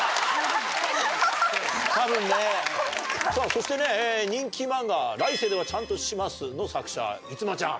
そしてね人気漫画『来世ではちゃんとします』の作者いつまちゃん。